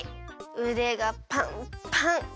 うでがパンパン！